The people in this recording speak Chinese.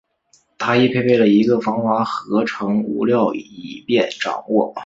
它亦配备了一个防滑合成物料以便紧握。